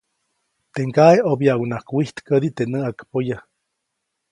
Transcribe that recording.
Teʼ ŋgaʼe ʼobyaʼuŋnaʼajk wijtkädi teʼ näʼakpoya.